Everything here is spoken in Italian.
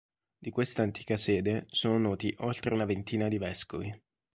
Di questa antica sede sono noti oltre una ventina di vescovi.